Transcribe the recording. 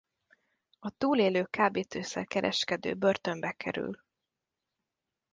A túlélő kábítószer-kereskedő börtönbe kerül.